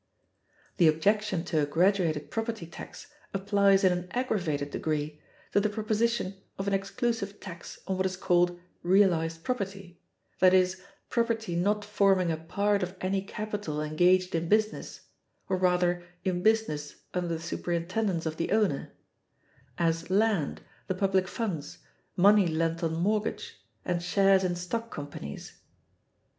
The objection to a graduated property tax applies in an aggravated degree to the proposition of an exclusive tax on what is called "realized property," that is, property not forming a part of any capital engaged in business, or rather in business under the superintendence of the owner; as land, the public funds, money lent on mortgage, and shares in stock companies.